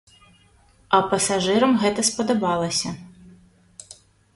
А пасажырам гэта спадабалася.